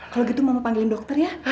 kalo gitu mama panggilin dokter ya